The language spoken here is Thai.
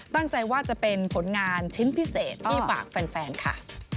ตั้งใจว่าจะเป็นผลงานชิ้นพิเศษที่ฝากแฟนค่ะ